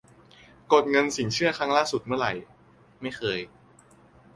- กดเงินสินเชื่อครั้งล่าสุดเมื่อไหร่ : ไม่เคย